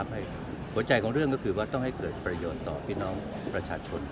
หัวใจของเรื่องก็คือว่าต้องให้เกิดประโยชน์ต่อพี่น้องประชาชน